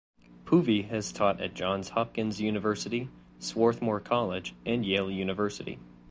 Poovey has taught at Johns Hopkins University, Swarthmore College, and Yale University.